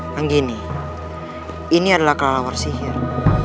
yang gini ini adalah kelelawar sihir